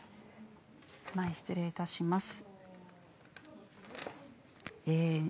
前失礼いたします。